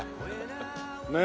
ねえ。